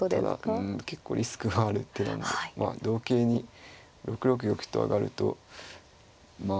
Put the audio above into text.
ただうん結構リスクがある手なんでまあ同桂に６六玉と上がるとまあ。